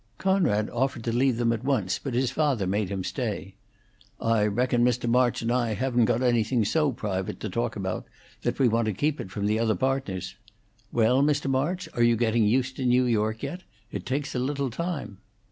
Conrad offered to leave them at once, but his father made him stay. "I reckon Mr. March and I haven't got anything so private to talk about that we want to keep it from the other partners. Well, Mr. March, are you getting used to New York yet? It takes a little time."